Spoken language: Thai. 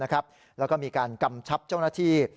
แล้วก็มีการกำชับเจ้าหน้าที่